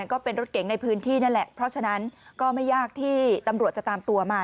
ก็เป็นรถเก๋งในพื้นที่นั่นแหละเพราะฉะนั้นก็ไม่ยากที่ตำรวจจะตามตัวมา